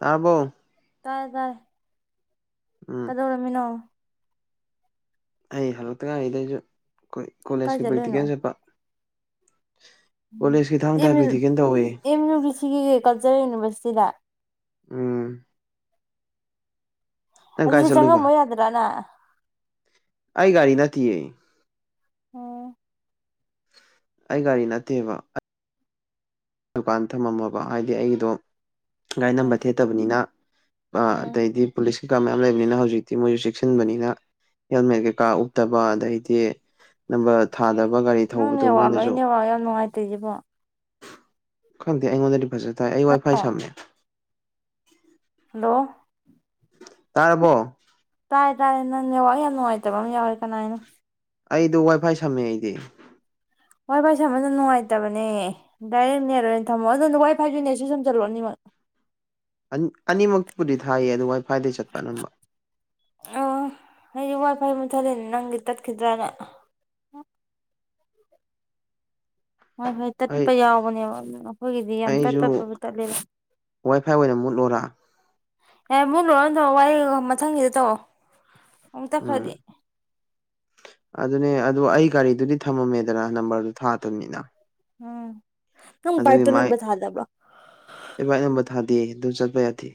ꯇꯥꯕꯣ ꯇꯥꯗꯜ ꯎꯝ ꯀꯗꯧꯔꯝꯃꯤꯅꯣ ꯑꯩ ꯍꯂꯛꯇꯒ ꯏꯗꯁꯨ ꯑꯩꯈꯣꯏ ꯀꯥꯏ ꯀꯣꯂꯦꯖꯀꯤ ꯄ꯭ꯔꯦꯛꯇꯤꯀꯦꯜ ꯆꯠꯄ ꯀꯣꯂꯦꯖꯀꯤ ꯊꯥꯡ ꯇꯥꯏ ꯃꯦ ꯄ꯭ꯔꯦꯛꯇꯤꯀꯦꯜ ꯇꯧꯋꯦ ꯏꯃꯤꯅ ꯁꯤꯒꯤꯒꯀ ꯀꯖꯔ ꯌꯨꯅꯤꯚꯔꯁꯤꯇꯤꯗ ꯎꯝ ꯅꯪ ꯀꯥꯏ ꯑꯗꯨꯗꯤ ꯆꯠꯂꯨꯏꯕ ꯆꯪꯉꯃꯣꯏ ꯌꯥꯗ꯭ꯔꯥꯅ ꯇꯏ ꯑꯩ ꯒꯥꯔꯤ ꯅꯠꯇꯦꯕ ꯗꯨꯀꯥꯟ ꯊꯝꯃꯝꯃꯕ ꯍꯥꯏꯗꯤ ꯑꯩꯗꯣ ꯒꯥꯔꯤ ꯎꯝ ꯅꯝꯕ ꯊꯦꯠꯇꯕꯅꯤꯅ ꯎꯝ ꯑꯗꯩꯗꯤ ꯄꯨꯂꯤꯁꯀꯤ ꯀꯃ ꯂꯩꯕꯅꯤꯅ ꯍꯧꯖꯤꯛꯇꯤ ꯃꯣꯏꯁꯨ ꯆꯦꯛꯁꯤꯟꯕꯅꯤꯅ ꯍꯦꯜꯃꯦꯠ ꯀꯩꯀꯥ ꯎꯞꯇꯕ ꯑꯗꯩꯗꯤ ꯅꯝꯕꯔ ꯊꯥꯗꯕ ꯒꯥꯔꯤ ꯅꯪꯅꯤ ꯊꯧꯕꯗꯣ ꯋꯥꯜꯂꯣꯅꯤ ꯋꯥ ꯌꯥꯝꯅꯨꯡꯥꯏ ꯇꯩꯖꯕꯣ ꯀꯪꯗ ꯑꯩꯉꯣꯟꯗ ꯐꯖꯦꯦ ꯇꯥꯏ ꯑꯩ ꯋꯥꯏ ꯐꯥꯏ ꯁꯝꯃꯦ ꯍꯜꯂꯣ ꯇꯥꯔꯕꯣ ꯇꯥꯔꯦ ꯇꯥꯔꯦ ꯅꯪꯅꯦ ꯋꯥ ꯌꯥꯝ ꯅꯨꯡꯉꯥꯏꯇꯕ ꯑꯃ ꯌꯥꯎꯔꯦ ꯀꯅꯥ ꯍꯥꯏꯅꯣ ꯑꯩꯗꯣ ꯋꯥꯏꯐꯥꯏ ꯁꯝꯃꯦ ꯑꯩꯗꯤ ꯋꯥꯏ ꯐꯥꯏ ꯁꯦꯃꯗ ꯅꯨꯡꯉꯥꯏꯇꯕꯅꯦ ꯗꯥꯏꯔꯦꯛ ꯅꯦꯣꯏꯅ ꯊꯝꯃꯣꯑꯣ ꯑꯗꯨꯣ ꯋꯥꯏ ꯐꯥꯏ ꯌꯅꯦꯠꯁꯨ ꯁꯨꯝ ꯆꯜꯂꯛ ꯑꯅꯤꯃꯛ ꯑꯅꯤꯃꯛꯇꯕꯨꯗꯤ ꯊꯥꯏꯌꯦ ꯑꯗꯨ ꯋꯥꯏ ꯐꯥꯏꯗꯩ ꯆꯠꯄ ꯑꯅꯝꯕ ꯑꯣ ꯍꯥꯏꯗꯤ ꯋꯥ ꯐꯥꯏ ꯃꯨꯠꯊꯠꯂꯅꯦ ꯅꯪꯗꯤ ꯇꯠꯈꯤꯗ꯭ꯔꯥꯅ ꯍꯣꯏ ꯐꯣꯏ ꯑꯩ ꯇꯠꯄ ꯌꯥꯎꯕꯅꯦꯕ ꯑꯩꯈꯣꯏꯒꯤꯗꯤ ꯌꯥꯝ ꯇꯠ ꯑꯩꯁꯨ ꯇꯠꯄꯕꯨ ꯇꯠꯂꯦꯕ ꯋꯥꯏ ꯐꯥꯏ ꯑꯣꯏꯅ ꯃꯨꯠꯂꯣꯔꯥ ꯌꯥꯔꯦ ꯃꯣꯏ ꯂꯣꯏꯔ ꯇꯧꯔꯣ ꯋꯥꯔꯤ ꯃꯊꯪꯒꯤꯗ ꯇꯧꯔꯣ ꯑꯃꯨꯛ ꯎꯝ ꯇꯠꯈ꯭ꯔꯗꯤ ꯑꯗꯨꯅꯦ ꯑꯗꯨ ꯑꯩ ꯒꯥꯔꯤꯗꯨꯗꯤ ꯊꯝꯃꯝꯃꯦꯗꯅ ꯅꯝꯕꯔꯗꯨꯣ ꯊꯥꯗꯕꯅꯤꯅ ꯎꯝ ꯅꯪ ꯕꯥꯔꯠ ꯑꯗꯨꯅꯤ ꯇꯨ ꯃꯥꯏꯛ ꯅꯝꯕꯔ ꯊꯥꯗꯕ꯭ꯔꯣ ꯑꯩ ꯚꯥꯏꯛ ꯅꯝꯕꯔ ꯊꯥꯗꯦ ꯗꯨ ꯆꯠꯄ ꯌꯥꯗꯦ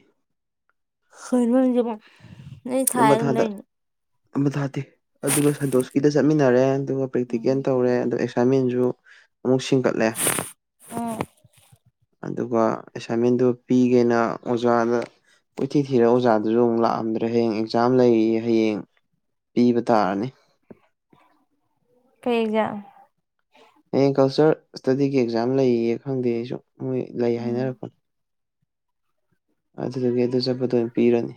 ꯑꯟꯏꯟꯇꯦꯜꯂꯤꯖꯤꯕꯜ ꯑꯩ ꯊꯥꯏꯌꯦ ꯑꯗꯨꯝ ꯂꯩꯅꯤ ꯑꯃ ꯊꯥꯗꯦ ꯑꯗꯨꯅ ꯁꯟꯇꯣꯁꯀꯤꯗ ꯆꯠꯃꯤꯟꯅꯔꯦ ꯑꯗꯨꯒ ꯎꯝ ꯄ꯭ꯔꯦꯛꯇꯤꯀꯦꯟ ꯇꯧꯔꯦ ꯑꯗꯨꯁ ꯁꯥꯃꯦꯟꯁꯨ ꯑꯃꯨꯛ ꯁꯤꯡꯒꯠꯂꯦ ꯎꯝ ꯑꯗꯨꯒ ꯑꯦꯁꯥꯏꯟꯃꯦꯟꯗꯨ ꯄꯤꯒꯦꯅ ꯑꯣꯖꯥꯗ ꯀꯣꯏꯊꯤ ꯊꯤꯔꯒ ꯑꯣꯖꯥꯗꯨꯁꯨ ꯑꯃꯨꯛ ꯂꯥꯛꯑꯝꯗ꯭ꯔꯦ ꯍꯌꯦꯡ ꯑꯦꯛꯖꯥꯝ ꯂꯩꯌꯦꯌꯦ ꯍꯌꯦꯡ ꯄꯤꯕ ꯇꯥꯔꯅꯤ ꯀꯩ ꯑꯦꯛꯖꯥꯝ ꯍꯌꯦꯡ ꯀꯜꯆꯔ ꯏꯁꯇꯗꯤꯒꯤ ꯑꯦꯛꯖꯥꯝ ꯂꯩꯌꯦꯌꯦ ꯈꯪꯗꯦ ꯑꯩꯁꯨ ꯃꯣꯏ ꯂꯩ ꯎꯝ ꯍꯥꯏꯅꯔꯛꯄꯅꯤ ꯑꯗꯨꯗꯒꯤ ꯑꯗꯨ ꯆꯠꯄꯗ ꯑꯣꯏꯅ ꯄꯤꯔꯅꯤ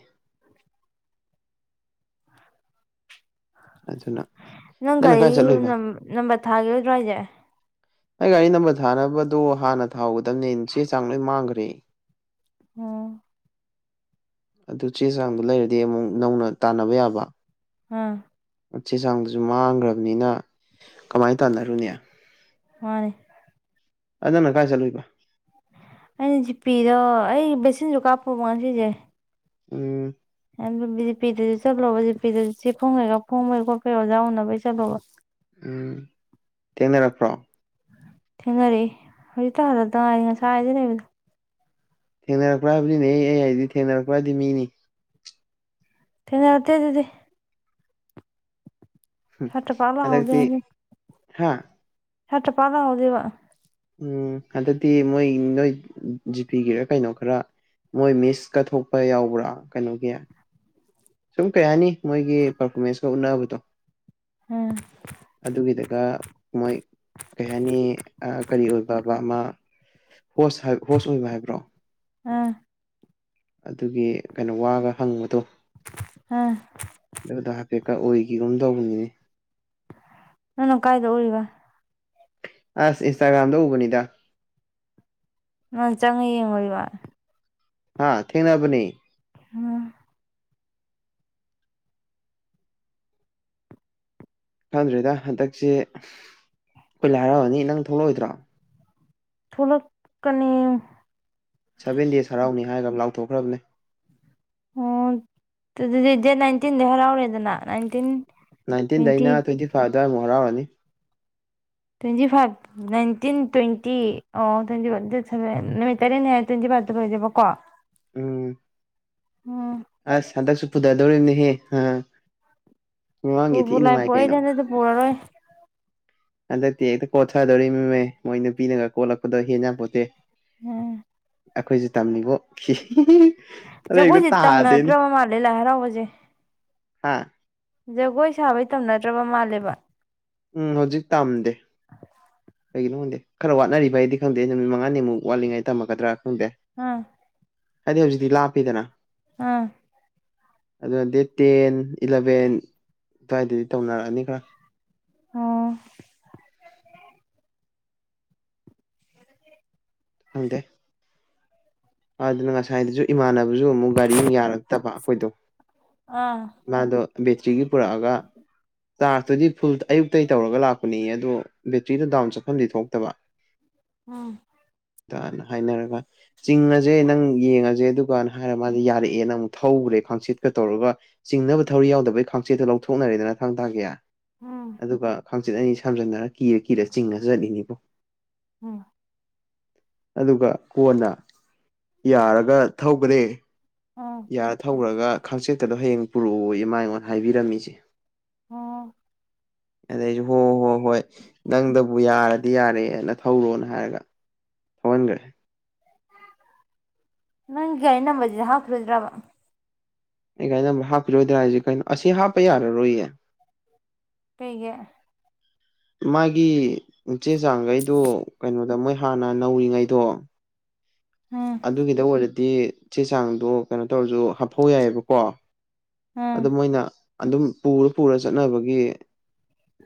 ꯑꯗꯨꯅ ꯅꯪ ꯅꯪꯅ ꯒꯥꯔꯤ ꯀꯥꯏ ꯆꯠꯂꯨꯏꯕ ꯅꯝ ꯅꯝꯕꯔ ꯊꯥꯒꯤꯔꯣꯏꯗ꯭ꯔꯣ ꯍꯥꯏꯁꯦ ꯑꯩ ꯒꯥꯔꯤ ꯅꯝꯕꯔ ꯊꯥꯅꯕꯗꯨ ꯍꯥꯟꯅ ꯊꯥꯎꯒꯗꯝꯅꯦ ꯆꯦ ꯆꯥꯡ ꯂꯣꯏ ꯃꯥꯡꯒ꯭ꯔꯦ ꯑꯝ ꯑꯗꯨ ꯆꯦ ꯆꯥꯡꯗꯨ ꯂꯩꯔꯗꯤ ꯑꯃꯨꯛ ꯅꯧꯅ ꯇꯥꯟꯅꯕ ꯌꯥꯕ ꯑꯝ ꯆꯦ ꯆꯥꯡꯗꯨꯁꯨ ꯃꯥꯡꯒ꯭ꯔꯝꯅꯤꯅ ꯀꯃꯥꯏꯟ ꯇꯥꯟꯅꯔꯨꯅꯤ ꯃꯥꯅꯤ ꯅꯪꯅ ꯀꯥꯏ ꯆꯠꯂꯨꯏꯕ ꯑꯩꯅ ꯖꯤ ꯄꯤꯗ ꯑꯩ ꯕꯦꯁꯤꯟꯖꯨ ꯀꯥꯞꯄꯨꯕ ꯉꯁꯤꯖꯦ ꯎꯝ ꯑꯗꯨ ꯖꯤ ꯄꯤ ꯗꯁꯨ ꯆꯠꯂꯨꯕ ꯖꯤ ꯄꯤꯗꯁꯨ ꯆꯦ ꯐꯣꯡ ꯂꯣꯏꯔꯒ ꯐꯣꯡꯕꯩ ꯈꯣꯠꯄꯩ ꯑꯣꯖꯥ ꯎꯅꯕꯩ ꯆꯠꯂꯨꯕ ꯎꯝ ꯊꯦꯡꯅꯔꯛꯄ꯭ꯔꯣ ꯊꯦꯡꯅꯔꯛꯑꯦ ꯍꯧꯖꯤꯛꯇ ꯍꯜꯂꯛꯇ ꯉꯥꯏꯔꯤ ꯉꯁꯥꯏꯗꯩ ꯂꯩꯕꯅꯤ ꯊꯦꯡꯅꯔꯛꯄ꯭ꯔꯥ ꯍꯥꯏꯕꯅꯤꯅꯦ ꯑꯩ ꯍꯥꯏꯗꯤ ꯊꯦꯡꯅꯔꯛꯄ꯭ꯔꯥ ꯍꯥꯏꯗꯤ ꯃꯤꯅꯤ ꯊꯦꯡꯅꯔꯛꯇꯦ ꯑꯗꯨꯗꯤ ꯍꯝ ꯁꯥꯇ꯭ꯔ ꯄꯥꯛ ꯂꯥꯛꯍꯧꯗꯦ ꯍꯟꯗꯛꯇꯤ ꯉꯁꯤ ꯍꯥ ꯁꯥꯇ꯭ꯔ ꯄꯥꯛ ꯂꯥꯛꯍꯧꯗꯦꯕ ꯎꯝ ꯍꯟꯗꯛꯇꯤ ꯃꯣꯏ ꯅꯣꯏ ꯖꯤꯄꯤ ꯒꯤꯔ ꯀꯩꯅꯣ ꯈꯔ ꯃꯣꯏ ꯃꯤꯁ ꯀ ꯊꯣꯛꯄ ꯌꯥꯎꯕ꯭ꯔꯥ ꯀꯩꯅꯣꯒꯤ ꯁꯨꯝ ꯀꯩꯍꯥꯏꯅꯤ ꯃꯣꯏꯒꯤ ꯄꯔꯐꯣꯃꯦꯟꯁꯀ ꯎꯠꯅꯕꯗꯣ ꯎꯝ ꯑꯗꯨꯒꯤꯗꯒ ꯃꯣꯏ ꯀꯩ ꯍꯥꯏꯅꯤ ꯀꯔꯤ ꯑꯣꯏꯕꯕ ꯑꯃ ꯍꯣꯁ ꯁꯥꯏ ꯍꯣꯁ ꯑꯣꯏꯕ ꯍꯥꯏꯕ꯭ꯔꯣ ꯑ ꯑꯗꯨꯒꯤ ꯀꯩꯅꯣ ꯋꯥꯒ ꯍꯪꯕꯗꯣ ꯑꯥ ꯑꯗꯨꯗ ꯍꯥꯏꯐꯦꯠꯀ ꯑꯣꯏꯈꯤꯒꯝ ꯇꯧꯕꯅꯤꯅꯦ ꯅꯅ ꯀꯥꯏꯗ ꯎꯔꯤꯔꯤꯕ ꯑꯁ ꯏꯟꯁꯇꯥꯒ꯭ꯔꯥꯝꯗ ꯎꯕꯅꯤꯗ ꯅꯪ ꯆꯪꯉ ꯌꯦꯡꯉꯣ ꯋꯥ ꯍꯥꯥ ꯊꯦꯡꯅꯕꯅꯤ ꯑꯝ ꯈꯪꯗ꯭ꯔꯦꯗ ꯍꯟꯗꯛꯁꯤ ꯑꯩꯈꯣꯏ ꯂꯥꯏꯔꯥꯎꯑꯅꯤ ꯅꯪ ꯊꯣꯛꯂꯛꯑꯣꯏꯗ꯭ꯔꯣ ꯊꯣꯛꯂꯛꯀꯅꯤ ꯁꯚꯦꯟ ꯗꯦꯁ ꯍꯔꯥꯎꯅꯤ ꯍꯥꯏꯔꯒ ꯂꯥꯎ ꯊꯣꯛꯈ꯭ꯔꯕꯅꯤ ꯑꯣ ꯑꯗꯨꯗꯤ ꯗꯦꯠ ꯅꯥꯏꯟꯇꯤꯟꯗ ꯍꯔꯥꯎꯔꯦꯗꯅ ꯅꯥꯏꯇꯤꯟ ꯅꯥꯏꯟꯇꯤꯟꯗꯩꯅ ꯇ꯭ꯋꯦꯟꯇꯤ ꯐꯥꯏꯚ ꯇ ꯃ ꯍꯔꯅꯤ ꯇ꯭ꯋꯦꯟꯇꯤ ꯐꯥꯏꯚ ꯅꯥꯏꯟꯇꯤꯟ ꯇ꯭ꯋꯦꯟꯇꯤ ꯑꯣ ꯇ꯭ꯋꯦꯟꯇꯤ ꯐꯚ ꯅꯨꯃꯤꯠ ꯇꯔꯦꯠꯅꯤ ꯍꯥꯏ ꯇ꯭ꯋꯦꯟꯇꯤ ꯐꯥꯏꯚꯇ ꯑꯣꯏꯖꯕ ꯀꯣ ꯎꯝ ꯑ ꯁꯗ ꯄꯨꯗꯥꯗꯧꯔꯅꯤꯍꯦ ꯑ ꯄꯨꯕꯨ ꯂꯥꯏ ꯄꯣꯏꯗꯅꯗꯤ ꯄꯨꯔꯔꯣꯏ ꯍꯟꯗꯛꯇꯤ ꯍꯦꯛꯇ ꯀꯣꯠꯊꯗꯣꯔꯤꯕꯅꯤꯃꯦ ꯃꯣꯏ ꯅꯨꯄꯤꯅꯒ ꯀꯣꯠꯂꯛꯄꯗꯣ ꯍꯦꯟꯅꯄꯣꯠꯇꯦ ꯎꯝ ꯑꯩꯈꯣꯏꯁꯨꯦ ꯇꯝꯃꯤꯕꯣ ꯐꯤ ꯆꯒꯣꯏꯇꯝ ꯅꯠꯇ꯭ꯔ ꯃꯥꯂꯦ ꯂ ꯍꯔꯥꯎ ꯎꯆꯖꯦ ꯍꯥꯥ ꯖꯒꯣꯏ ꯁꯥꯕꯩ ꯇꯝꯅꯗ꯭ꯔꯕ ꯃꯥꯜꯂꯦꯕ ꯎꯝ ꯍꯧꯖꯤꯛ ꯇꯝꯗꯦ ꯀꯩꯒꯤꯅꯣꯪꯗꯦ ꯈꯔ ꯋꯥꯠꯅꯔꯤꯕ ꯍꯥꯏꯗꯤ ꯈꯪꯗꯦ ꯅꯨꯃꯤꯠ ꯃꯉꯥꯅꯤꯃꯨꯛ ꯋꯥꯠꯂꯤꯉꯥꯏ ꯇꯝꯃꯒꯗ꯭ꯔꯥ ꯈꯪꯗꯦ ꯑꯥ ꯍꯥꯏꯗꯤ ꯍꯧꯖꯤꯛꯇꯤ ꯂꯥꯞꯄꯤꯗꯅ ꯑꯥ ꯑꯗꯨꯅ ꯗꯦꯠ ꯇꯦꯟ ꯏꯂꯚꯦꯟ ꯑꯗꯨꯋꯥꯏꯗꯗꯤ ꯇꯧꯅꯔꯛꯑꯅꯤ ꯈꯔ ꯑꯣ ꯑꯪꯗꯦ ꯑꯗꯨꯅ ꯉꯁꯥꯏꯗꯁꯨ ꯏꯃꯥꯟꯅꯕꯁꯨ ꯑꯃꯨꯛ ꯒꯥꯔꯤ ꯌꯥꯔꯛꯇꯕ ꯑꯩꯈꯣꯏꯗꯣ ꯑꯥ ꯕꯦꯆꯔꯤ ꯄꯨꯔꯒ ꯆꯥꯔꯖꯇꯨꯗꯤ ꯐꯨꯜ ꯑꯌꯨꯛꯇꯒꯤ ꯇꯧꯔꯒ ꯂꯥꯛꯄꯅꯤ ꯑꯗꯨꯣ ꯕꯦꯇ꯭ꯔꯤꯗꯨꯣ ꯗꯥꯎꯟ ꯆꯠꯐꯝꯗꯤ ꯊꯣꯛꯇꯕ ꯎꯝ ꯅ ꯍꯥꯏꯅꯔꯒ ꯆꯤꯡ ꯑꯁꯦ ꯅꯪ ꯌꯦꯡꯉꯁꯤ ꯦ ꯑꯗꯨꯒꯅ ꯍꯥꯏꯔ ꯃꯥꯗꯤꯦ ꯌꯥꯔꯦ ꯑꯦꯦꯅ ꯑꯃꯨꯛ ꯊꯧꯧꯕꯨꯔꯦ ꯈꯥꯆꯦꯠꯀ ꯇꯧꯔꯒ ꯆꯤꯡꯅꯕ ꯊꯧꯔꯤ ꯌꯥꯎꯗꯕꯩ ꯈꯥꯆꯦꯠꯇꯣ ꯂꯧꯊꯣꯛꯅꯔꯦꯗꯅ ꯊꯥꯡ ꯇꯥꯒꯤꯦꯌꯥ ꯎꯝ ꯑꯗꯨꯒ ꯈꯪꯆꯤꯠ ꯑꯅꯤ ꯁꯝꯖꯟꯅꯔ ꯀꯤꯔ ꯀꯤꯔ ꯆꯤꯡꯉ ꯆꯠꯂꯤꯅꯤꯕꯣ ꯎꯝ ꯑꯗꯨꯒ ꯀꯣꯟꯅ ꯌꯥꯔꯒ ꯊꯧꯒꯅꯤꯦ ꯎꯝ ꯌꯥꯔ ꯊꯧꯔꯒ ꯈꯥꯡꯆꯦꯠꯇꯗꯣ ꯍꯌꯦꯡ ꯄꯨꯔꯛꯑꯣ ꯏꯃ ꯑꯩꯉꯣꯟꯗ ꯍꯥꯏꯕꯤꯔꯝꯃꯤꯁꯦ ꯍ ꯑꯗ ꯍꯣ ꯍꯣ ꯍꯣꯏ ꯅꯪꯗꯕꯨ ꯌꯥꯔꯒ ꯗꯤ ꯌꯥꯔꯦꯅ ꯊꯧꯔꯣꯅ ꯍꯥꯏꯔꯒ ꯊꯃꯟꯒꯦꯦ ꯅꯪꯒ ꯏꯩꯅꯝꯕꯖ ꯍꯥꯈ ꯔꯣꯖ꯭ꯔꯕ ꯑꯩ ꯀꯥꯏꯅ ꯍꯥꯞꯈꯤꯔꯣꯏꯗ꯭ꯔꯥ ꯍꯥꯏꯁꯦ ꯀꯩꯅꯣ ꯑꯁꯤ ꯍꯥꯞꯄ ꯌꯥꯔꯔꯣꯏꯌꯦ ꯄꯩꯒ ꯃꯥꯒꯤ ꯆꯦ ꯆꯥꯡꯈꯩꯗꯨ ꯀꯩꯅꯣꯗ ꯃꯣꯏ ꯍꯥꯟꯅ ꯅꯧꯔꯤꯉꯩꯗꯣ ꯎꯝ ꯑꯗꯨꯒꯤꯗ ꯑꯣꯏꯔ ꯗꯤ ꯆꯦ ꯆꯥꯡꯗꯣ ꯀꯩꯅꯣ ꯇꯧꯔꯁꯨ ꯍꯥꯞꯐꯧ ꯌꯥꯏꯑꯕꯀꯣ ꯑꯗꯨ ꯎꯝ ꯃꯣꯏꯅ ꯑꯗꯨꯝ ꯄꯨꯔ ꯄꯨꯔ ꯆꯠꯅꯕꯒꯤ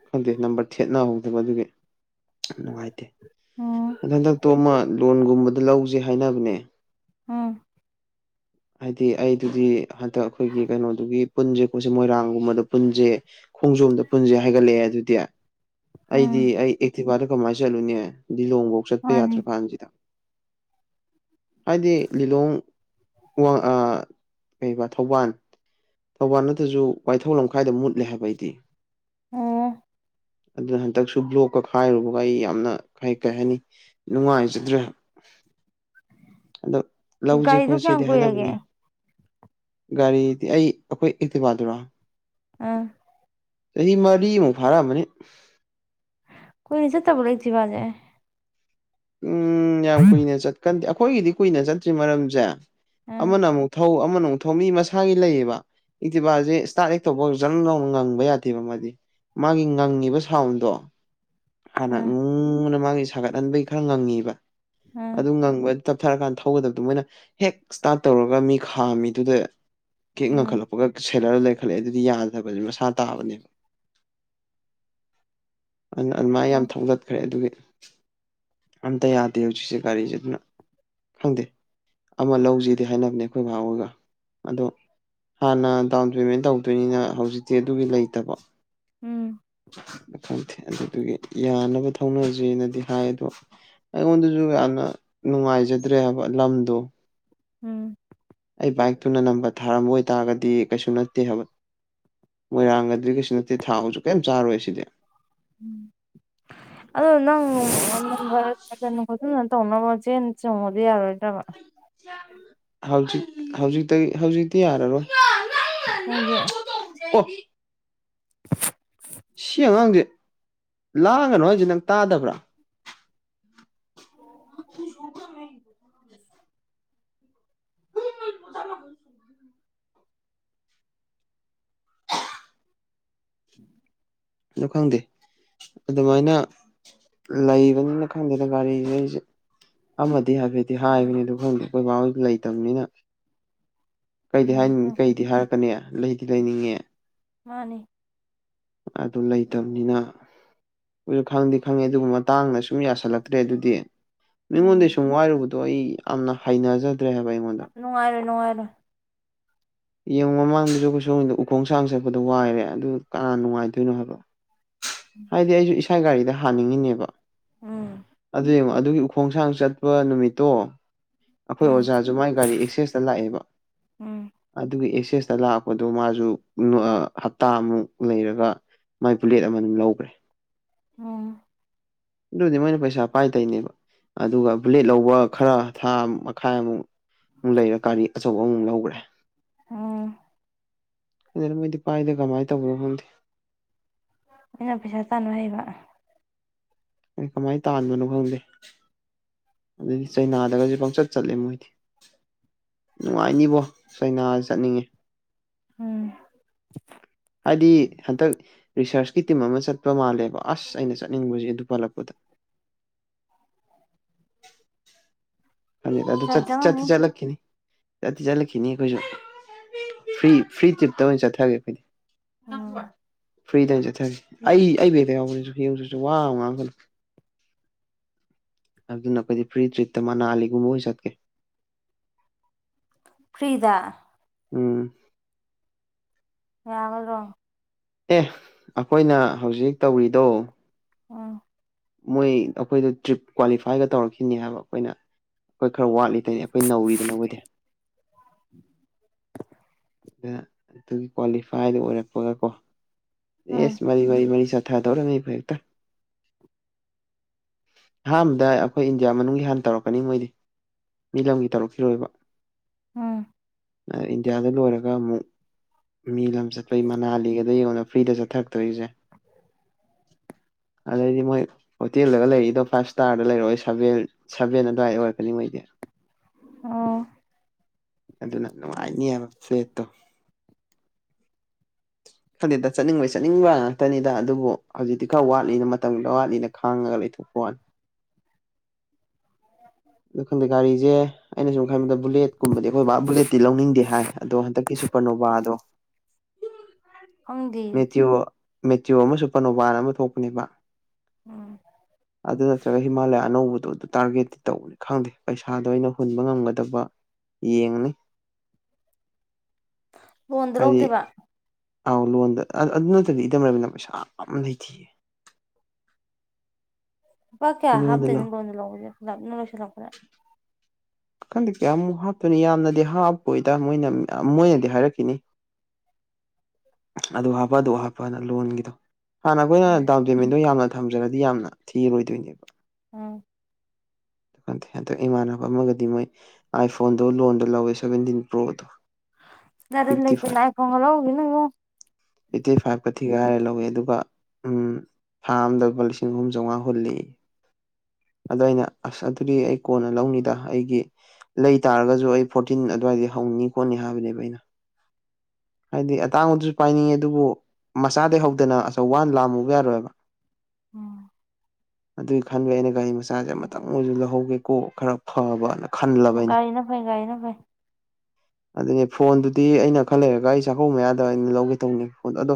ꯈꯪꯗꯦ ꯅꯝꯕꯔ ꯊꯦꯠꯅꯍꯧꯗꯕ ꯑꯗꯨꯒꯤ ꯅꯨꯡꯉꯥꯏꯇꯦ ꯎꯝ ꯑ ꯍꯟꯗꯛꯇꯣ ꯑꯃ ꯂꯣꯟꯒꯨꯝꯕꯗ ꯂꯧꯁꯦ ꯍꯥꯏꯅꯕꯅꯦ ꯎꯝ ꯍꯥꯏꯗꯤ ꯑꯩꯗꯨꯗꯤ ꯍꯟꯗꯛ ꯑꯩꯈꯣꯏꯒꯤ ꯀꯩꯅꯣꯗꯨꯒꯤ ꯄꯨꯟꯁꯦ ꯑꯩꯣꯣꯏꯁꯦ ꯃꯣꯏꯔꯥꯡꯒꯨꯝꯕꯗ ꯄꯨꯟꯁꯦ ꯈꯣꯡꯖꯣꯝꯗ ꯄꯨꯟꯁꯦ ꯍꯥꯏꯒꯠꯂꯛꯑꯦ ꯑꯗꯨꯗꯤ ꯑꯩꯗꯤ ꯎꯝ ꯑꯩ ꯊꯤ ꯐꯔꯦ ꯀꯃꯁꯜꯨꯅ ꯂꯤꯂꯣꯡꯐꯧ ꯆꯠꯄ ꯃꯥꯅꯤ ꯌꯥꯗ꯭ꯔ ꯀꯥꯟꯁꯤꯗ ꯍꯥꯏꯗꯤ ꯂꯤꯂꯣꯡ ꯡ ꯀꯩꯕ ꯊꯧꯕꯥꯜ ꯊꯧꯕꯥꯜ ꯅꯠꯇ꯭ꯔꯁꯨ ꯋꯥꯏꯊꯧ ꯂꯝꯈꯥꯏꯗ ꯃꯨꯠꯂꯦ ꯍꯥꯏꯕ ꯑꯩꯗꯤ ꯑ ꯑꯗꯨꯅ ꯍꯟꯗꯛꯁꯨ ꯕ꯭ꯂꯣꯛꯀ ꯈꯥꯏꯔꯨꯕꯒ ꯑꯩ ꯌꯥꯝꯅ ꯀ ꯀꯩ ꯍꯥꯏꯅꯤ ꯅꯨꯡꯉꯥꯏꯖꯗ꯭ꯔꯦ ꯍꯗꯛ ꯒꯥꯏꯗꯨ ꯀꯌꯥ ꯀꯨꯏꯔꯒꯦ ꯒꯥꯔꯤꯗꯤ ꯑꯩ ꯑꯩꯈꯣꯏ ꯏꯇꯕꯥꯗꯨꯔꯥ ꯑꯥ ꯆꯍꯤ ꯃꯔꯤꯃꯨꯛ ꯐꯥꯔꯛꯑꯝꯕꯅꯤ ꯀꯅꯤꯁ ꯇꯕꯨ ꯂꯩ ꯊ ꯋꯥꯖꯦ ꯎꯝ ꯌꯥꯝ ꯀꯨꯏꯅ ꯆꯠꯀꯟꯗꯤ ꯑꯩꯈ ꯑꯩꯈꯣꯏꯒꯤꯗꯤ ꯀꯨꯏꯅ ꯆꯠꯇ꯭ꯔꯤ ꯃꯔꯝꯁꯦ ꯑꯥ ꯑꯃꯅ ꯑꯃꯨꯛ ꯊꯧ ꯃꯅꯨꯡ ꯊꯣꯝꯃꯤ ꯃꯁꯥꯒꯤ ꯂꯩꯌꯦꯕ ꯏꯛꯇꯤꯕꯥꯁꯦ ꯏꯁꯇꯥꯔꯠ ꯍꯦꯛꯛꯇꯧꯕꯖꯪꯧꯅ ꯉꯪꯕ ꯌꯥꯗꯦꯕ ꯃꯥꯗꯤ ꯃꯥꯒꯤ ꯉꯪꯉꯤꯕ ꯁꯥꯎꯟꯗꯣ ꯍꯅ ꯑꯥ ꯎꯝ ꯅ ꯃꯥꯒꯤ ꯁꯥꯒꯠꯍꯟ ꯈꯔ ꯉꯪꯉꯤꯕ ꯑꯥ ꯑꯗꯨ ꯉꯥꯡꯕ ꯆꯞꯊꯔꯀꯥꯟꯗ ꯊꯧꯒꯗꯕꯗꯨꯣ ꯃꯣꯏꯅ ꯍꯦꯛ ꯏꯁꯇꯥꯔꯠ ꯇꯧꯔꯒ ꯃꯤ ꯈꯥꯝꯃꯤꯗꯨꯗ ꯀꯦꯛ ꯑꯥ ꯉꯪꯈꯠꯂꯛꯄꯒ ꯁꯦꯠꯔ ꯂꯩꯈꯠꯂꯛꯑꯦ ꯑꯗꯨꯗꯤ ꯌꯥꯗꯕꯁꯦ ꯃꯁꯥ ꯇꯥꯕꯅꯦꯕ ꯑꯗꯨꯃꯥꯏꯅ ꯑꯥ ꯌꯥꯝ ꯊꯧꯂꯠꯈ꯭ꯔꯦ ꯑꯗꯨꯒꯤ ꯑꯝꯇ ꯌꯥꯗꯦ ꯍꯧꯖꯤꯛꯁꯦ ꯒꯥꯔꯤꯁꯦ ꯑꯗꯨꯅ ꯈꯪꯗꯦ ꯑꯃ ꯂꯧꯁꯤꯗꯦ ꯍꯥꯏꯅꯕꯅꯦ ꯑꯩꯈꯣꯏ ꯚꯥꯎꯣꯏꯒ ꯑꯗꯣ ꯍꯥꯟꯅ ꯗꯥꯎꯟ ꯄꯦꯃꯦꯟ ꯇꯧꯗꯣꯏꯅꯤꯅ ꯍꯧꯖꯤꯛꯇꯤ ꯑꯗꯨꯒꯤ ꯂꯩꯇꯕ ꯎꯝ ꯈꯪꯗꯦ ꯑꯗꯨꯗꯨꯒꯤ ꯌꯥꯅꯕ ꯊꯧꯅꯁꯅꯗꯤ ꯍꯥꯏ ꯑꯗꯣ ꯑꯩꯉꯣꯟꯗꯁꯨ ꯌꯥꯝꯅ ꯅꯨꯡꯉꯥꯏꯖꯗ꯭ꯔꯦ ꯍꯥꯏꯕ ꯂꯝꯗꯣ ꯎꯝ ꯑꯩ ꯕꯥꯏꯛꯇꯨꯅ ꯅꯝꯕ ꯊꯥꯔꯝꯕ ꯑꯣꯏꯇꯥꯔꯒꯗꯤ ꯀꯩꯁꯨ ꯅꯠꯇꯦ ꯍꯥꯏꯕ ꯃꯣꯏꯔꯥꯡꯒꯗꯗꯤ ꯀꯩꯁꯨ ꯅꯠꯇꯦ ꯊꯥꯁꯨꯛ ꯀꯩꯝ ꯆꯥꯔꯣꯏ ꯁꯤꯗꯤ ꯝ ꯑꯗꯣ ꯅꯪꯔ ꯐꯅ ꯐꯖꯅꯅ ꯇꯧꯅꯕ ꯆꯦꯟ ꯆꯣꯡꯉꯗꯤ ꯌꯥꯔꯣꯏꯗꯕ ꯍꯥꯎꯖꯤ ꯍꯧꯖꯤꯛꯇ ꯍꯧꯖꯤꯛꯇꯤ ꯌꯥꯔꯔꯣꯏ ꯍꯒꯤꯦ ꯑꯣ ꯁꯤ ꯑꯉꯥꯡꯁꯦ ꯂꯥꯡꯒꯅꯨ ꯑꯩꯁꯦ ꯅꯪ ꯇꯥꯗꯕ꯭ꯔꯥ ꯎ ꯃꯖꯥ ꯂꯣ ꯁ ꯑꯗꯨ ꯈꯪꯗꯦ ꯑꯗꯨꯃꯥꯏꯅ ꯂꯩꯕꯅꯤꯅ ꯈꯪꯗꯦꯗ ꯒꯥꯔꯤꯁꯦ ꯑꯩꯁꯦ ꯑꯗꯤ ꯍꯥꯏꯦꯗꯤ ꯍꯥꯅꯤ ꯑꯗꯨ ꯃꯐꯝꯗꯨ ꯑꯩꯈꯣꯏꯕꯥꯁꯨ ꯂꯩꯇꯕꯅꯤꯅ ꯀꯩꯗꯤ ꯍꯥꯏ ꯎꯝ ꯎꯝ ꯀꯩꯗꯤ ꯍꯥꯏꯔꯛꯀꯅꯤ ꯂꯩ ꯤ ꯂꯩꯅꯤꯡꯉꯦ ꯃꯥꯅꯤ ꯑꯗꯨ ꯂꯩꯇꯕꯅꯤꯅ ꯍꯧꯁꯨ ꯈꯪꯗꯦ ꯈꯪꯉꯦ ꯑꯗꯨꯒꯕ ꯇꯥꯡꯅ ꯁꯨꯝ ꯌꯥꯁꯜꯂꯛꯇ꯭ꯔꯦ ꯑꯗꯨꯗꯤ ꯃꯤꯉꯣꯟꯗꯒꯤ ꯎꯝ ꯁꯨꯝ ꯋꯥꯏꯔꯨꯕꯗꯣ ꯑꯩ ꯌꯥꯝꯝꯅ ꯍ ꯍꯥꯏꯩꯅꯖꯦ ꯅꯅꯨꯡꯥꯏꯔ ꯅꯅꯨꯡꯥꯏꯔ ꯄꯨ ꯌꯦꯡꯉ ꯃꯃꯥꯡꯗꯁꯨ ꯀꯈꯣꯏ ꯁꯣꯝꯗ ꯎꯈꯣꯡ ꯁꯥꯡ ꯆꯠꯄꯗꯣ ꯋꯥꯏꯔꯦ ꯑꯗꯨ ꯀꯅꯥ ꯅꯨꯡꯉꯥꯏꯗꯣꯏꯅꯣ ꯍꯥꯏꯕ ꯍꯥꯏꯗꯤ ꯍꯥꯏ ꯃꯥꯏ ꯒꯥꯔꯤꯗ ꯍꯥꯡꯅꯤꯡꯉꯤꯅꯦꯕ ꯎꯝ ꯑꯗꯨꯗꯤꯃꯥ ꯑꯗꯨꯒꯤ ꯎꯈꯣꯡꯁꯥꯡ ꯆꯠꯄ ꯅꯨꯃꯤꯠꯇꯣ ꯑꯈꯣꯏ ꯎꯝ ꯑꯣꯖꯥꯁꯨ ꯃꯥꯏ ꯒꯥꯔꯤ ꯑꯦꯛꯁꯦꯁꯇ ꯂꯥꯛꯑꯦꯕ ꯎꯝ ꯑꯗꯨꯒꯤ ꯁꯦꯁ ꯂꯥꯛꯄꯗ ꯃꯥꯁꯨ ꯍꯞꯇꯥ ꯑꯃꯨꯛ ꯂꯩꯔꯒ ꯃꯥꯏ ꯕꯨꯂꯦꯠ ꯑꯃ ꯑꯗꯨꯝ ꯂꯧ ꯑꯣ ꯑꯗꯨꯗꯤ ꯃꯣꯏꯅ ꯄꯩꯁꯥ ꯄꯥꯏ ꯇꯧꯋꯤꯅꯦꯕ ꯑꯗꯨꯒ ꯕꯨꯂꯦꯠ ꯂꯧꯕ ꯈꯔ ꯊꯥ ꯃꯈꯥꯏ ꯑꯃꯨꯛ ꯂꯩꯔ ꯀꯥꯔꯤ ꯑꯆꯧꯕ ꯑꯃ ꯂꯧꯒ꯭ꯔꯦ ꯑꯝ ꯑꯗꯨꯅ ꯃꯣꯏꯗꯤ ꯄꯥꯏꯗ ꯀꯃꯥꯏꯅ ꯇꯧꯕꯅꯣ ꯈꯪꯗꯦ ꯑꯩꯅ ꯄꯩꯁꯥ ꯇꯥꯟꯕ ꯍꯩꯕ ꯑꯩ ꯀꯃꯥꯏꯅ ꯇꯥꯟꯕꯅꯣ ꯈꯪꯗꯦ ꯑꯗꯨꯗꯤ ꯆꯩꯅꯥꯗꯒꯁꯨ ꯄꯪꯆꯠ ꯆꯠꯂꯦ ꯃꯣꯏꯗꯤ ꯅꯨꯡꯉꯥꯏꯅꯤꯕꯣ ꯆꯩꯅꯥ ꯆꯠꯅꯤꯡꯉꯦ ꯎꯝ ꯍꯥꯏꯗꯤ ꯍꯟꯇꯛ ꯔꯤꯁꯔꯁ ꯀꯤ ꯇꯤꯝ ꯑꯃ ꯆꯠꯄ ꯃꯥꯜꯂꯦ ꯑꯁ ꯑꯩꯅ ꯆꯠꯅꯤꯡꯕꯁꯦ ꯑꯗꯨ ꯄꯜꯂꯛꯄꯗ ꯑꯗꯨ ꯆ ꯆꯪ ꯆꯪꯉꯝꯅꯤ ꯆꯠꯇꯤ ꯆꯠꯂꯛꯈꯤꯅꯤ ꯆꯠꯇꯤ ꯆꯠꯂꯛꯈꯤꯅꯤ ꯑꯩꯈꯣꯏꯁꯨ ꯐ꯭ꯔꯤ ꯐ꯭ꯔꯤ ꯇ꯭ꯔꯤꯞꯇ ꯑꯣꯏꯅ ꯆꯠꯊꯒꯦ ꯑꯩꯈꯣꯏꯗꯤ ꯁꯅꯥꯊꯣꯏ ꯎꯝ ꯐ꯭ꯔꯤꯗꯥ ꯑꯣꯏꯅ ꯆꯠꯊꯒꯦ ꯑꯩ ꯑꯩ ꯕꯦꯒꯇ ꯌꯥꯎꯕꯅꯦꯁꯨ ꯌꯦꯡꯉꯨꯆꯣ ꯆꯣ ꯋꯥ ꯉꯥꯡꯉꯪꯀꯅꯣ ꯑꯗꯨ ꯅ ꯑꯩꯈꯣꯏꯗꯤ ꯐ꯭ꯔꯤ ꯇ꯭ꯔꯤꯠꯇ ꯃꯅꯥꯂꯤꯒꯨꯝꯕ ꯑꯣꯏ ꯆꯠꯀꯦ ꯐꯔꯤꯗ ꯎꯝ ꯌꯥꯒꯗꯔꯣ ꯑꯦ ꯑꯈꯣꯏꯅ ꯍꯧꯖꯤꯛ ꯇꯧꯔꯤꯗꯣ ꯑꯣ ꯃꯣꯏ ꯑꯩꯈꯣꯏꯗ ꯇ꯭ꯔꯤꯞ ꯀ꯭ꯋꯥꯂꯤꯐꯥꯏꯒ ꯇꯧꯔꯛꯈꯤꯅꯤ ꯍꯥꯏꯕ ꯑꯩꯈꯣꯏꯅ ꯑꯩꯈꯣꯏ ꯈꯔ ꯋꯥꯠꯂꯤ ꯑꯗꯨ ꯑꯩꯈꯣꯏ ꯅꯧꯔꯤꯗ ꯑꯈꯣꯏꯗꯤ ꯑꯗꯨꯅ ꯑꯗꯨꯒꯤ ꯀ꯭ꯋꯥꯂꯤꯐꯥꯏꯗ ꯑꯣꯏꯔꯛꯄꯒ ꯀꯣ ꯎꯝ ꯑꯦꯁ ꯃꯔꯤ ꯃꯔꯤ ꯃꯔꯤ ꯁ ꯊꯗꯧꯔꯝꯃꯤꯕ ꯍꯦꯛꯇ ꯑꯍꯥꯟꯕꯗ ꯑꯈꯣꯏ ꯏꯟꯗꯤꯌꯥ ꯃꯅꯨꯡꯒꯤ ꯍꯥꯟꯅ ꯇꯧꯔꯛꯈꯤꯅꯤ ꯃꯣꯏꯗꯤ ꯃꯤ ꯂꯝꯒꯤ ꯇꯧꯔꯛꯈꯤꯔꯣꯏꯕ ꯎꯝ ꯏꯟꯗꯌꯥꯗꯅ ꯂꯣꯏꯔ ꯨ ꯒ ꯑꯃꯨꯛ ꯃꯤ ꯆꯠꯄꯒꯤ ꯃꯅꯥꯂꯤꯒꯗꯣ ꯌꯦꯡꯉꯣꯗꯅ ꯐ꯭ꯔꯤꯗ ꯆꯠꯊꯔꯛꯇꯣꯔꯤꯁꯦ ꯑꯗꯩꯗꯤ ꯃꯣꯏ ꯍꯣꯇꯦꯜꯗꯒ ꯂꯩꯔꯛꯏꯗꯣ ꯐꯥꯏꯚ ꯏꯁꯇꯥꯔꯗ ꯂꯩꯔꯛꯑꯣꯏ ꯁꯚꯦꯟ ꯁꯚꯦꯟ ꯑꯗꯨꯋꯥꯏꯗ ꯑꯣꯏꯔꯛꯀꯅꯤ ꯃꯣꯏꯗꯤ ꯑꯣ ꯑꯗꯨ ꯑꯗꯨꯅ ꯅꯨꯡꯉꯥꯏꯅꯤ ꯌꯥꯝꯁꯨꯦꯠꯇꯣ ꯈꯖꯤꯦꯛꯇ ꯆꯠꯅꯤꯡꯕꯩ ꯆꯠꯅꯤꯡꯕ ꯉꯥꯛꯇꯅꯤꯗ ꯑꯗꯨꯕꯨ ꯍꯧꯖꯤꯛꯇꯤ ꯈꯔ ꯋꯥꯠꯂꯤꯅ ꯃꯇꯝꯗꯨꯗ ꯋꯥꯠꯂꯤꯅ ꯈꯥꯡꯉꯒ ꯂꯩꯊꯣꯛꯄ ꯋꯥꯅꯤ ꯑꯈꯟꯗꯦ ꯒꯥꯔꯤꯁꯦ ꯑꯩꯅ ꯁꯨꯝ ꯈꯟꯕꯗ ꯕꯨꯂꯦꯠꯀꯨꯝꯕꯗꯤ ꯑꯩꯈꯣꯏ ꯕꯥ ꯕꯨꯂꯦꯠꯇꯤ ꯂꯧꯅꯤꯡꯗꯦ ꯍꯥꯏ ꯑꯗꯣ ꯍꯟꯗꯛꯀꯤ ꯁꯨꯄꯔꯅꯣꯕꯥꯗꯣ ꯍꯪꯗꯤ ꯃꯦꯇ꯭ꯌꯨ ꯑꯃꯁ ꯄꯅꯣꯕꯥꯟ ꯑꯃ ꯊꯣꯛꯄꯅꯦꯕ ꯎꯝ ꯑꯗꯨ ꯑꯗꯨ ꯆ ꯍꯤꯃꯂꯌꯥꯅꯧꯕ ꯇꯔꯒꯦꯠ ꯇꯧꯅꯤ ꯈꯪꯗꯦ ꯄꯩꯁꯥꯗꯣ ꯑꯩꯅ ꯍꯨꯟꯕ ꯉꯝꯒꯗꯕ ꯌꯦꯡꯅꯤ ꯂꯣꯟꯗ ꯂꯧꯗꯣꯏꯕ ꯑꯥꯎ ꯂꯣꯟꯗ ꯑꯗꯨ ꯅꯠꯇꯗꯤ ꯏꯇꯝ ꯂꯩꯕꯤꯅ ꯄꯩꯁꯥ ꯌꯥꯝ ꯂꯩꯇꯌꯦ ꯂꯨꯄꯥ ꯀꯌꯥ ꯍꯥꯞꯇꯣꯏꯅꯣ ꯂꯧ ꯂꯣꯟꯗ ꯂꯧꯗꯁꯦ ꯄꯨꯂꯞ ꯅ ꯂꯣꯏꯁꯤꯜꯂꯛꯄꯗ ꯈꯪꯗꯦ ꯀꯌꯥꯃꯨꯛ ꯍꯥꯞꯇꯣꯏꯅꯣ ꯌꯥꯝꯅꯗꯤ ꯍꯥꯞꯄꯣꯏꯗ ꯃꯣꯏꯅ ꯃꯣꯏꯅꯗꯤ ꯍꯥꯏꯔꯛꯈꯤꯅꯤ ꯑꯗꯨ ꯍꯥꯞꯄ ꯑꯗꯨ ꯍꯥꯞꯄꯅ ꯂꯣꯟꯒꯤꯗꯣ ꯍꯥꯟꯅ ꯑꯩꯈꯣꯏꯅ ꯗꯥꯎꯖꯕꯤꯗꯣ ꯌꯥꯝꯅ ꯊꯝ ꯐꯖꯔꯗꯤ ꯌꯥꯝꯅ ꯊꯤꯔꯣꯏꯗꯣꯏꯅꯦꯕ ꯎꯝ ꯍꯟꯗꯛ ꯏꯃꯥꯟꯅꯕ ꯑꯃꯒꯗꯤ ꯃꯣꯏ ꯑꯥꯏꯐꯣꯟꯗꯣ ꯂꯣꯟꯗ ꯂꯧꯋꯦ ꯁꯚꯦꯟꯇꯤꯟ ꯄ꯭ꯔꯣꯗꯣ ꯅꯔꯥꯜ ꯐꯤꯐꯇꯤ ꯂꯩꯇ ꯐꯥꯏꯚ ꯑꯥꯏ ꯐꯣꯟꯒ ꯂꯧꯈꯤꯅꯨ ꯏꯕꯨꯡꯉꯣ ꯌꯦ ꯑꯗꯨꯒ ꯊꯥ ꯑꯃꯗꯕ ꯂꯤꯁꯤꯡ ꯑꯍꯨꯝ ꯆꯥꯝꯃꯉꯥ ꯍꯨꯜꯂꯤ ꯑꯗꯨ ꯑꯩꯅ ꯑꯁ ꯑꯗꯨꯗꯤ ꯑꯩ ꯀꯣꯟꯅ ꯂꯧꯅꯤꯗ ꯑꯩꯒꯤ ꯂꯩ ꯇꯥꯔꯒꯁꯨ ꯑꯩ ꯐꯣꯔꯇꯤꯟ ꯑꯗꯨꯋꯥꯏꯗ ꯍꯧꯅꯤ ꯈꯣꯠꯅꯤ ꯍꯥꯏꯔꯝꯕꯅꯦꯕ ꯑꯩꯅ ꯍꯥꯏꯗꯤ ꯑꯇꯥꯡꯕꯗꯨꯁꯨ ꯄꯥꯏꯅꯤꯡꯉꯦ ꯑꯗꯨꯕꯨ ꯃꯆꯥꯗꯒꯤ ꯍꯧꯗꯅ ꯑꯆꯧꯕ ꯍꯥꯟꯅ ꯂꯥꯝꯃꯨꯕ ꯌꯥꯔꯣꯏꯕ ꯎꯝ ꯑꯗꯨꯒꯤ ꯈꯟꯕ ꯑꯩꯅ ꯒꯥꯔꯤ ꯃꯆꯥꯁꯦ ꯑꯃꯇꯪ ꯑꯣꯏꯁꯨ ꯂꯧꯍꯧꯒꯦꯀꯣ ꯈꯔ ꯐꯕꯅ ꯈꯜꯂꯕ ꯑꯩꯅ ꯒꯥꯔꯤꯅ ꯐꯩ ꯒꯥꯔꯤꯅ ꯐꯩ ꯑꯗꯨꯅꯦ ꯐꯣꯟꯗꯨꯗꯤ ꯑꯩꯅ ꯈꯜꯂꯦ ꯒꯥꯔꯤ ꯆꯥꯛꯀꯧꯕ ꯃꯌꯥꯗ ꯑꯩꯅ ꯂꯧꯒꯦ ꯇꯧꯅꯤ ꯑꯗꯣ